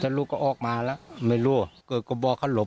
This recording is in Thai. ลูกก็ออกมาแล้วไม่รู้เกิดก็บอกเขาหลบ